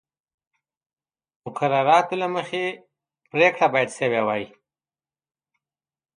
مقرراتو له مخې پرېکړه باید شوې وای